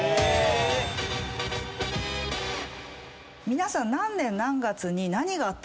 皆さん。